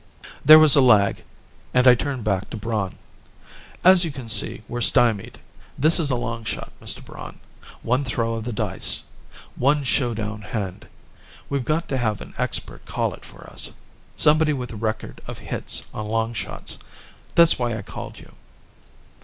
There was a lag and I turned back to Braun. "As you can see, we're stymied. This is a long shot, Mr. Braun. One throw of the dice one show down hand. We've got to have an expert call it for us somebody with a record of hits on long shots. That's why I called you."